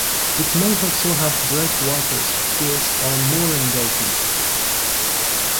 It may also have breakwaters, piers, or mooring dolphins.